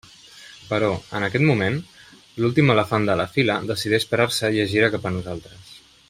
Però, en aquest moment, l'últim elefant de la fila decideix parar-se i es gira cap a nosaltres.